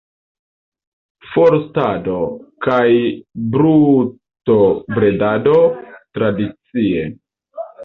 Forstado kaj brutobredado tradicie.